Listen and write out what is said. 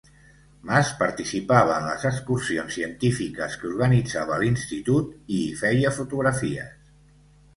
Mas participava en les excursions científiques que organitzava l'Institut i hi feia fotografies.